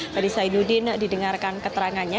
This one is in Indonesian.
tadi zainuddin didengarkan keterangannya